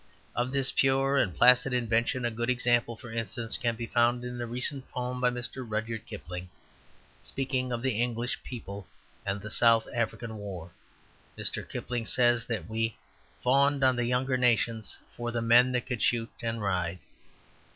Of this pure and placid invention, a good example, for instance, can be found in a recent poem of Mr. Rudyard Kipling's. Speaking of the English people and the South African War Mr. Kipling says that "we fawned on the younger nations for the men that could shoot and ride."